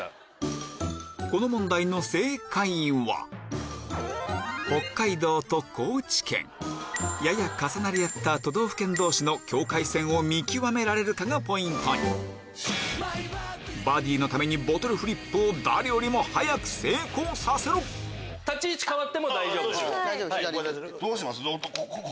この問題の正解はやや重なり合った都道府県同士の境界線を見極められるかがポイントにバディのためにボトルフリップを誰よりも早く成功させろどうします？